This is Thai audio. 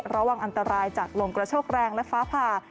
ระวังอันตรายจากลมกระโชคแรงและฟ้าผ่า